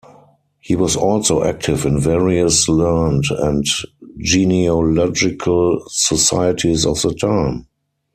He was also active in various learned and genealogical societies of the time.